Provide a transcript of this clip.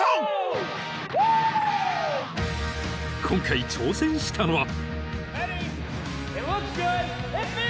［今回挑戦したのは］